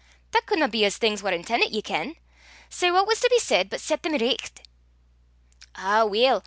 That cudna be as things war inten'it, ye ken; sae what was to be said but set them richt?" "Ow, weel!